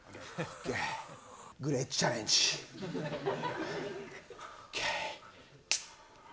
グレートチャレンジ。ＯＫ。